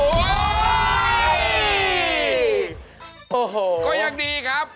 โอ้โหก็ยังดีครับ